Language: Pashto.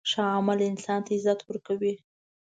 ښه عمل انسان ته عزت ورکوي.